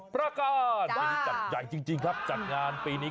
ปราการจัดอย่างจริงครับจัดงานปีนี้